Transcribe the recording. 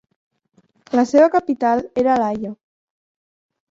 La seva capital era l'Haia.